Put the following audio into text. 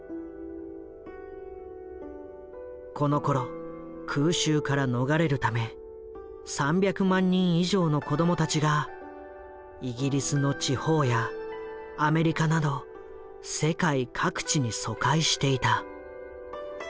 このころ空襲から逃れるため３００万人以上の子どもたちがイギリスの地方やアメリカなど世界各地に疎開していた。